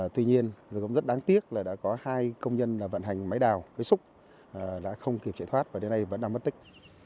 tuy nhiên rất đáng tiếc là đã có hai công nhân vận hành máy đào với súc đã không kịp chạy thoát và đến nay vẫn đang mất tích